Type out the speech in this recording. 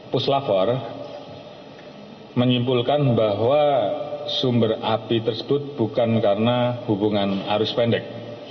puslavor menyimpulkan bahwa sumber api tersebut bukan karena hubungan arus pendek